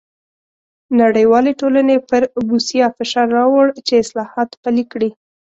نړیوالې ټولنې پر بوسیا فشار راووړ چې اصلاحات پلي کړي.